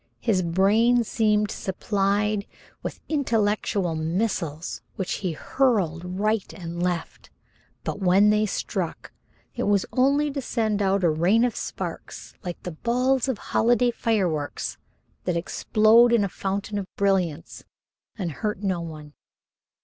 His brain seemed supplied with intellectual missiles which he hurled right and left, but when they struck, it was only to send out a rain of sparks like the balls of holiday fireworks that explode in a fountain of brilliance and hurt no one.